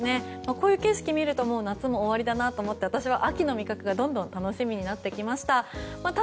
こういう景色を見るともう夏も終わりだなと思って私は秋の味覚がどんどん楽しみになってきました。